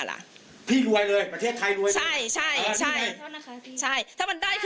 แล้วถ้ามันได้